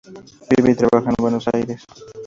Vive y trabaja en Buenos Aires.